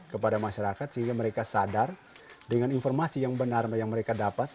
kepada masyarakat sehingga mereka sadar dengan informasi yang benar yang mereka dapat